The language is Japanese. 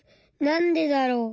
なんでだろう？